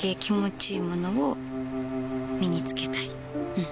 うん。